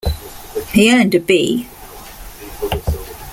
He earned a B.